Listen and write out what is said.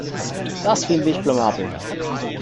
Das finde ich blamabel.